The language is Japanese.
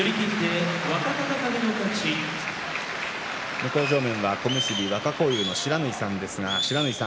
向正面は小結若荒雄の不知火さんです。